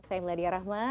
saya meladia rahmat